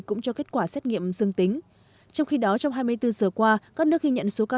cũng cho kết quả xét nghiệm dương tính trong khi đó trong hai mươi bốn giờ qua các nước ghi nhận số ca